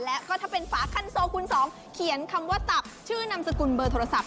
และก็ถ้าเป็นฝาคันโซคูณ๒เขียนคำว่าตับชื่อนามสกุลเบอร์โทรศัพ